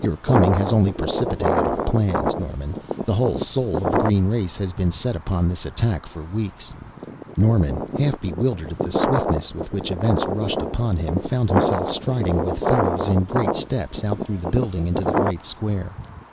Your coming has only precipitated our plans, Norman the whole soul of the green races has been set upon this attack for weeks!" Norman, half bewildered at the swiftness with which events rushed upon him, found himself striding with Fellows in great steps out through the building into the great square.